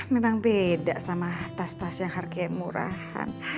memang beda sama tas tas yang harganya murahan